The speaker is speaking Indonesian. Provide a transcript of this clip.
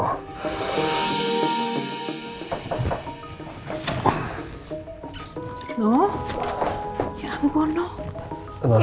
ya ampun nuh